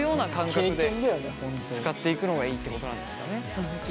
そうですね。